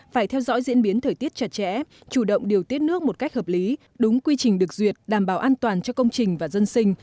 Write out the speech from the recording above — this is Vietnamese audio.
phải theo dõi diễn biến thời tiết chặt chẽ chủ động điều tiết nước một cách hợp lý đúng quy trình được duyệt đảm bảo an toàn cho công trình và dân sinh